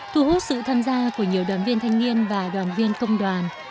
thu hút sự tham gia của nhiều đoàn viên thanh niên và đoàn viên công đoàn